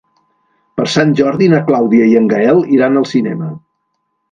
Per Sant Jordi na Clàudia i en Gaël iran al cinema.